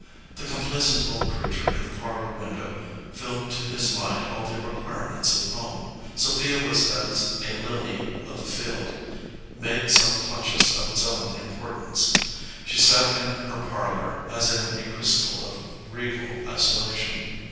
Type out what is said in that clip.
The complacent old creature in the parlor window filled to his mind all the requirements of home. Sophia was as a lily of the field, made self conscious of its own impor tance. She sat in her parlor as in a crystal of regal isolation.